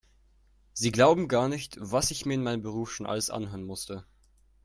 Sie glauben gar nicht, was ich mir in meinem Beruf schon alles anhören musste.